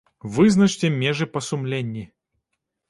Вызначце мяжы па сумленні!